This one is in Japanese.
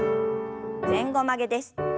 前後曲げです。